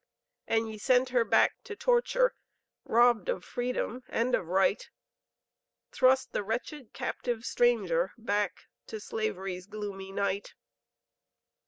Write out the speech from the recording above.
And ye sent her back to torture, Robbed of freedom and of right. Thrust the wretched, captive stranger. Back to slavery's gloomy night.